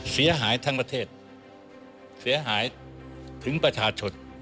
เสียหายทั้งประเทศเสียหายถึงประชาชน